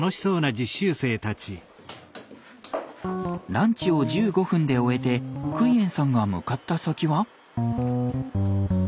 ランチを１５分で終えてクイエンさんが向かった先は。